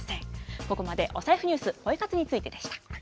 ここまでお財布ニュース、ポイ活についてでした。